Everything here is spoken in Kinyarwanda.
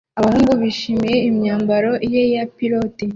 Abahungu bishimira imyambarire ye ya pirate